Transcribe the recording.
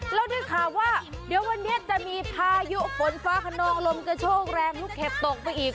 แล้วได้ข่าวว่าเดี๋ยววันนี้จะมีพายุฝนฟ้าขนองลมกระโชกแรงลูกเห็บตกไปอีก